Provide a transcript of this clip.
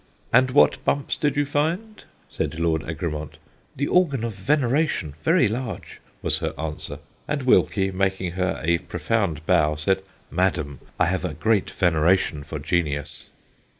"'And what bumps did you find?' said Lord Egremont. "'The organ of veneration, very large,' was her answer; and Wilkie, making her a profound bow, said: "'Madam, I have a great veneration for genius.'